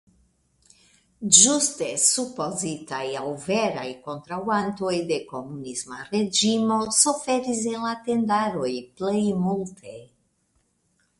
Ĝuste supozitaj aŭ veraj kontraŭantoj de komunisma reĝimo suferis en la tendaroj plej multe.